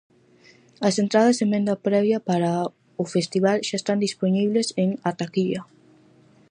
As entradas en venda previa para o festival xa están dispoñibles en Ataquilla.